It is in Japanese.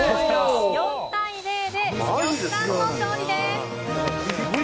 ４対０で呂布さんの勝利です。